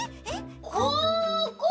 ここ！